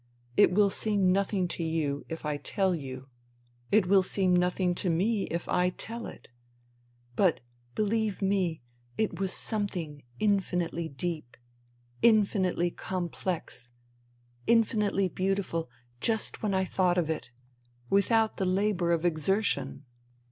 It will seem nothing to you if I tell you ; it will seem nothing to me if I tell it ; but, believe me, it was something infinitely deep, infinitely complex, infinitely beautiful just when I thought of it — without the labour of exertion."